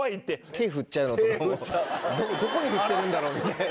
手振っちゃうのとかもどこに振ってるんだろうみたいな。